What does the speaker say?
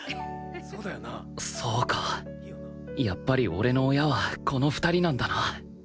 そうかやっぱり俺の親はこの２人なんだな